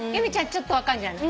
ちょっと分かるんじゃない？